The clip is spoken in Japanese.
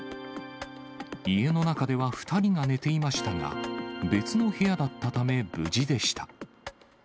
家の中では２人が寝ていましたが、別の部屋だったため無事でした。